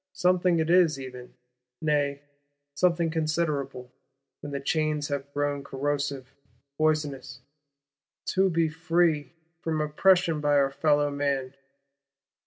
Something it is even,—nay, something considerable, when the chains have grown corrosive, poisonous, to be free "from oppression by our fellow man."